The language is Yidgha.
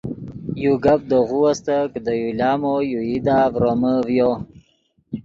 یو گپ دے غو استت کہ دے یو لامو یو ایدا ڤرومے ڤیو